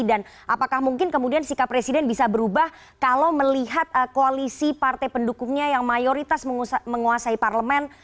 dan apakah mungkin kemudian sikap presiden bisa berubah kalau melihat koalisi partai pendukungnya yang mayoritas menguasai parlemen